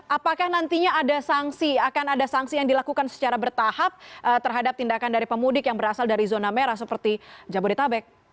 apakah nantinya ada sanksi akan ada sanksi yang dilakukan secara bertahap terhadap tindakan dari pemudik yang berasal dari zona merah seperti jabodetabek